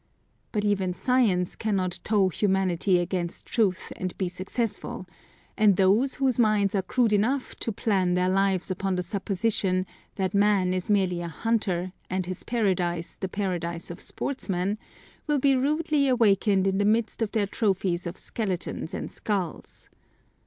But even science cannot tow humanity against truth and be successful; and those whose minds are crude enough to plan their lives upon the supposition, that man is merely a hunter and his paradise the paradise of sportsman, will be rudely awakened in the midst of their trophies of skeletons and skulls.